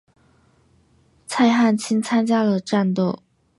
蔡汉卿参加了战斗。